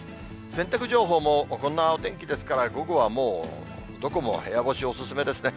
洗濯情報も、こんなお天気ですから、午後はもうどこも部屋干しお勧めですね。